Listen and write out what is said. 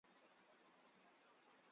蒙克拉博。